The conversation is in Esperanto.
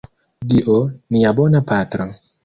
Dio, nia bona Patro.